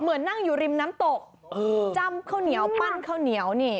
เหมือนนั่งอยู่ริมน้ำตกจำข้าวเหนียวปั้นข้าวเหนียวนี่